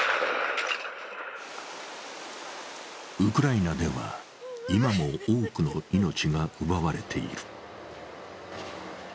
ウクライナでは今も多くの命が奪われている。